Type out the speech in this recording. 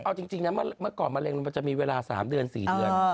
เอาจริงนะเมื่อก่อนมะเร็งมันจะมีเวลา๓เดือน๔เดือน